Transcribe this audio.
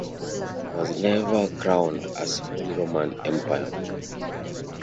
He was never crowned as Holy Roman Emperor.